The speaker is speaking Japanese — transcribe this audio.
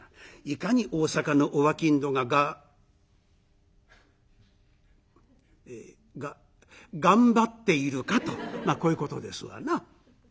いかに大坂のお商人ががえが頑張っているかとまあこういうことですわな。